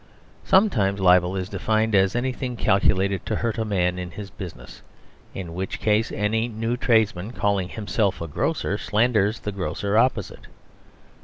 Sometimes libel is defined as anything calculated to hurt a man in his business; in which case any new tradesman calling himself a grocer slanders the grocer opposite.